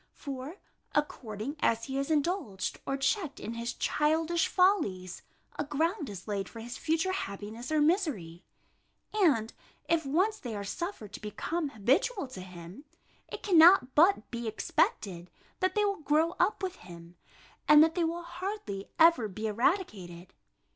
For, according as he is indulged or checked in his childish follies, a ground is laid for his future happiness or misery; and if once they are suffered to become habitual to him, it cannot but be expected, that they will grow up with him, and that they will hardly ever be eradicated.